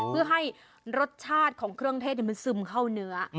เพื่อให้รสชาติของเครื่องเทศมันซึมเข้าเนื้อ